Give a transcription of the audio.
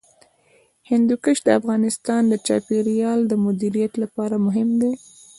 هندوکش د افغانستان د چاپیریال د مدیریت لپاره مهم دي.